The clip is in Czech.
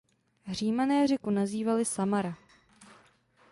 Římané řeku nazývali "Samara".